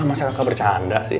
masa kakak bercanda sih